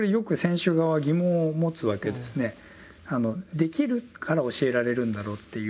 できるから教えられるんだろうっていう。